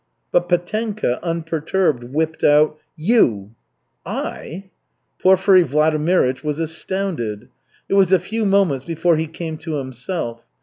But Petenka, unperturbed, whipped out: "You!" "I?" Porfiry Vladimirych was astounded. It was a few moments before he came to himself.